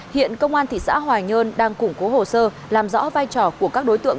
hiện công an thị xã hoài nhơn đang củng cố hồ sơ làm rõ vai trò của các đối tượng